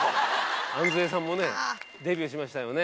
安杖さんもねデビューしましたよね。